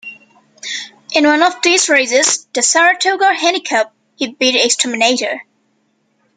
In one of these races, the Saratoga Handicap, he beat Exterminator.